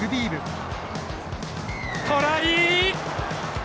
トライ！